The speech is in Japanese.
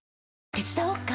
手伝おっか？